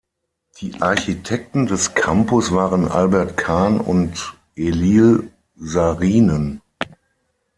Die Architekten des Campus waren Albert Kahn und Eliel Saarinen.